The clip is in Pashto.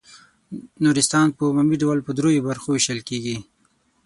نورستان په عمومي ډول په دریو برخو وېشل کیږي.